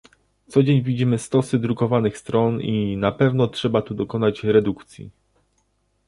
Co dzień widzimy stosy drukowanych stron i na pewno trzeba tu dokonać redukcji